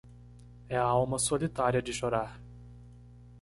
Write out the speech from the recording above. É a alma solitária de chorar